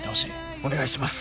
お願いします。